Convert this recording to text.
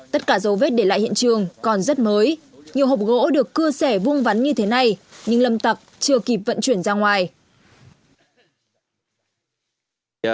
tất cả dấu vết để lại hiện trường còn rất mới nhiều hộp gỗ được cưa sẻ vuông vắn như thế này nhưng lâm tặc chưa kịp vận chuyển ra ngoài